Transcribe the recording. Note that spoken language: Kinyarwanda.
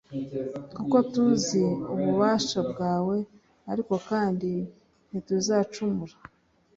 kuko tuzi ububasha bwawe, ariko kandi ntituzacumura